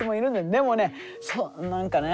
でもね何かね